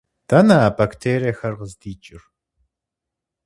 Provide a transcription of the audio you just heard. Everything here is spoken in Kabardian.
Дэнэ а бактериехэр къыздикӏыр?